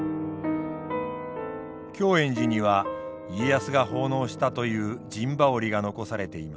教圓寺には家康が奉納したという陣羽織が残されています。